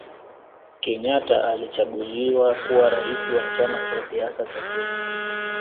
Kenyata alichaguliwa kuwa rais wa chama cha siasa cha kenya